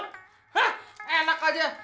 hah enak aja